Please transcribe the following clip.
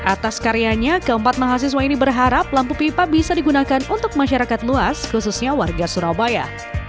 atas karyanya keempat mahasiswa ini berharap lampu pipa bisa digunakan untuk masyarakat luas khususnya warga surabaya